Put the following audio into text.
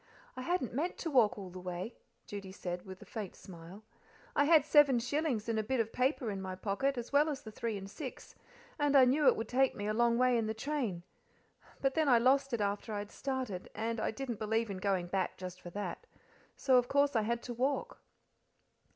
"I hadn't meant to walk all the way," Judy said, with a faint mile. "I had seven shillings in a bit of paper in my pocket, as well as the three and six, and I knew it would take me a long way in the train. But then I lost it after I had started, and I didn't believe in going back just for that, so, of course, I had to walk."